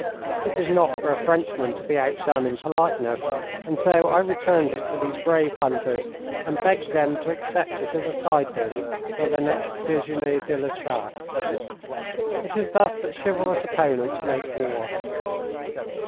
It is not for a Frenchman to be outdone in politeness, and so I returned it to these brave hunters, and begged them to accept it as a side dish for their next dejeuner de la chasse. It is thus that chivalrous opponents make war.